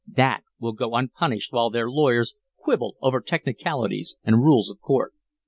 That will go unpunished while their lawyers quibble over technicalities and rules of court.